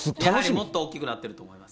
もっとおっきくなってると思います。